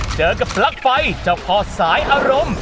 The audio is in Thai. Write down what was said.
เจอกับปลั๊กไฟเจ้าพ่อสายอารมณ์